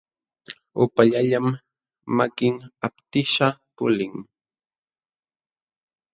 Upaallallam makin aptishqa pulin.